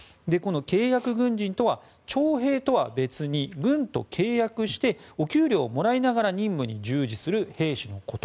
契約軍人とは徴兵とは別に軍と契約してお給料をもらいながら任務に従事する兵士のこと。